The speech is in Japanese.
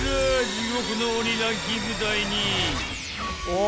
地獄の鬼ランキング第２位］